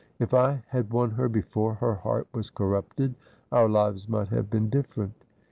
' If I had won her before her heart was corrupted our lives might have been difEerent.'